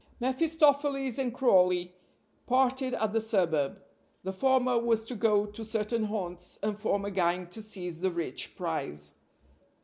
mephistopheles and Crawley parted at the suburb; the former was to go to certain haunts and form a gang to seize the rich prize.